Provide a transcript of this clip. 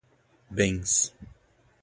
bens